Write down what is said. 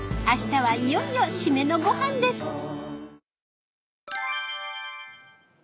［あしたはいよいよ締めのご飯です］